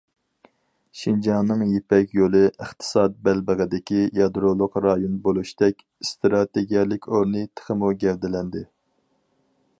شىنجاڭنىڭ يىپەك يولى ئىقتىساد بەلبېغىدىكى يادرولۇق رايون بولۇشتەك ئىستراتېگىيەلىك ئورنى تېخىمۇ گەۋدىلەندى.